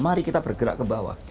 mari kita bergerak ke bawah